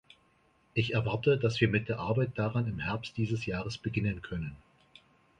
Ich erwarte, dass wir mit der Arbeit daran im Herbst dieses Jahres beginnen können.